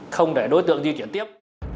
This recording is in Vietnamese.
không để đối tượng di chuyển tiếp